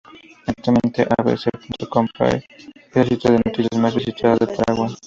Actualmente, abc.com.py es el sitio de noticias más visitado de Paraguay.